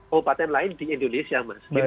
kota kota lain di indonesia mas